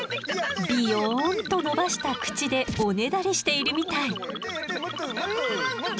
ビヨーンとのばした口でおねだりしているみたい。